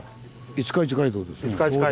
五日市街道です。